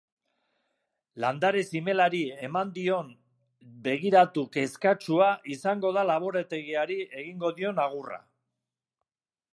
Landare zimelari eman dion begiratu kezkatsua izango da laborategiari egingo dion agurra.